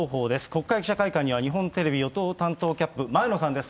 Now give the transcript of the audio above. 国会記者会館には、日本テレビ与党担当キャップ、前野さんです。